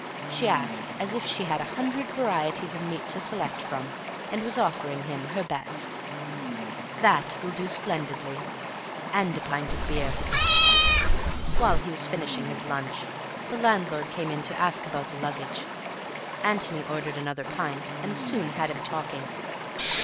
she asked, as if she had a hundred varieties of meat to select from, and was offering him her best. "That will do splendidly. And a pint of beer." While he was finishing his lunch, the landlord came in to ask about the luggage. Antony ordered another pint, and soon had him talking.